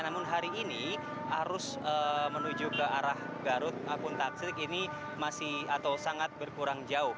namun hari ini arus menuju ke arah garut akuntasik ini masih atau sangat berkurang jauh